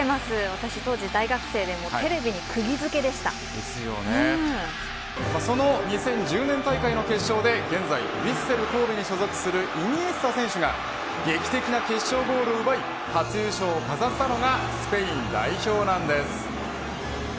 私当時大学生でその２０１０年大会の決勝で現在ヴィッセル神戸に所属するイニエスタ選手が劇的な決勝ゴールを奪い初優勝を飾ったのがスペイン代表なんです。